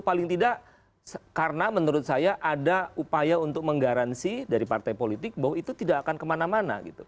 paling tidak karena menurut saya ada upaya untuk menggaransi dari partai politik bahwa itu tidak akan kemana mana gitu